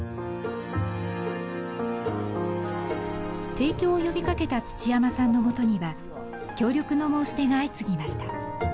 提供を呼びかけた土山さんのもとには協力の申し出が相次ぎました。